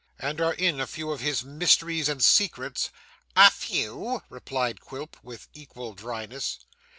'And are in a few of his mysteries and secrets.' 'A few,' replied Quilp, with equal dryness.